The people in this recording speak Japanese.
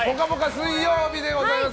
水曜日でございます。